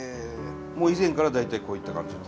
もう以前から大体こういった感じの？